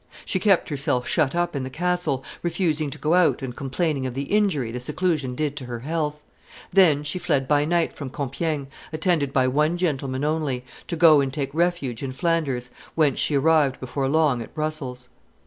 She kept herself shut up in the castle, refusing to go out and complaining of the injury the seclusion did to her health; then she fled by night from Compiegne, attended by one gentleman only, to go and take refuge in Flanders, whence she arrived before long at Brussels.